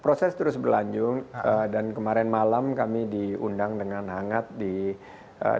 proses terus berlanjung dan kemarin malam kami diundang dengan hangat di dpp pks dan itu sudah saya laporkan juga kepada pak prabowo